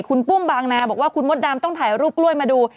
คุณปุ้มบางนาบอกว่าคุณมดดำต้องถ่ายรูปกล้วยมาดู